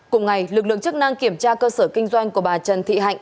cùng ngày lực lượng chức năng kiểm tra cơ sở kinh doanh của bà trần thị hạnh